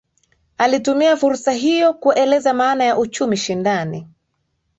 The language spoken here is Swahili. Alitumia fursa hiyo kueleza maana ya uchumi shindani